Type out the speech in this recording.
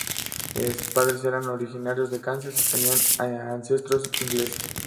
Sus padres eran originarios de Kansas y tenía ancestros ingleses.